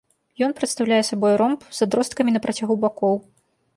Ён прадстаўляе сабой ромб з адросткамі на працягу бакоў.